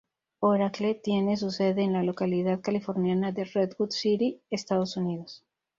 Oracle tiene su sede en la localidad californiana de Redwood City, Estados Unidos.